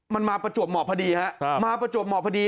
มันมาประจวบเหมาะพอดีฮะมาประจวบเหมาะพอดี